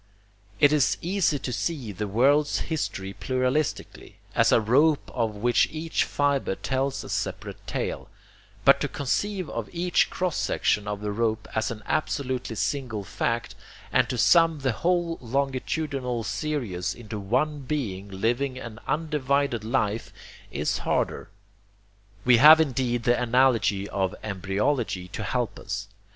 It is easy to see the world's history pluralistically, as a rope of which each fibre tells a separate tale; but to conceive of each cross section of the rope as an absolutely single fact, and to sum the whole longitudinal series into one being living an undivided life, is harder. We have indeed the analogy of embryology to help us.